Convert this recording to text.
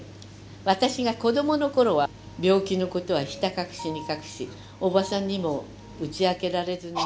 私が子供の頃は病気の事はひた隠しに隠しおばさんにも打ち明けられずにいました」。